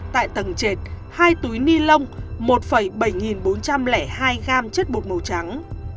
tại tầng trệt hai túi ni lông một bảy nghìn bốn trăm linh hai gam chất bột màu trắng